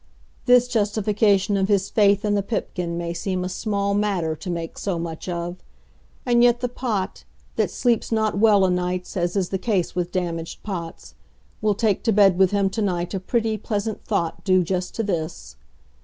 This justification of his faith in the Pipkin may seem a small matter to make so much of. And yet the Pot that sleeps not well o' nights, as is the case with damaged pots will take to bed with him to night a pretty, pleasant thought due just to this.